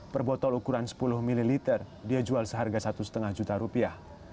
per botol ukuran sepuluh ml dia jual seharga satu lima juta rupiah